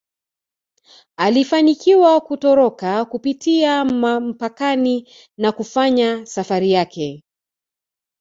Alifanikiwa kutoroka kupitia mpakani na kufanya safari yake